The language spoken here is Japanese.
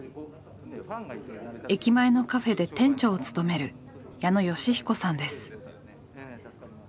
駅前のカフェで店長を務める矢野嘉彦さんです。